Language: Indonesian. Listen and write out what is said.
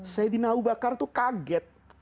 sayyidina abu bakar itu kaget